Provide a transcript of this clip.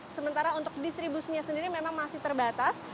sementara untuk distribusinya sendiri memang masih terbatas